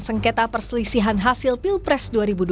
sengketa perselisihan hasil pilpres dua ribu dua puluh